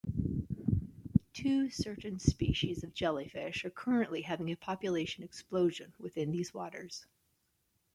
Two certain species of jellyfish are currently having a population explosion within these waters.